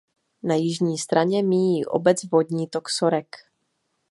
Na jižní straně míjí obec vodní tok Sorek.